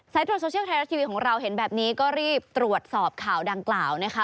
ตรวจโซเชียลไทยรัฐทีวีของเราเห็นแบบนี้ก็รีบตรวจสอบข่าวดังกล่าวนะคะ